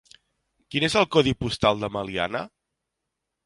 Quin és el codi postal de Meliana?